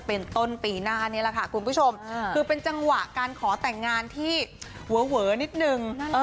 เป็นต้นปีหน้านี่แหละค่ะคุณผู้ชมคือเป็นจังหวะการขอแต่งงานที่เวอนิดนึง